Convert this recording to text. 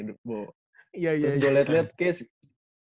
terus dilihat lihat kayaknya